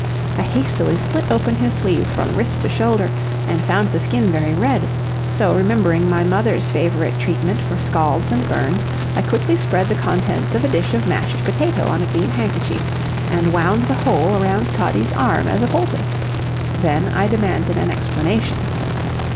I hastily slit open his sleeve from wrist to shoulder, and found the skin very red; so, remembering my mother's favorite treatment for scalds and burns, I quickly spread the contents of a dish of mashed potato on a clean handkerchief, and wound the whole around Toddie's arm as a poultice. Then I demanded an explanation.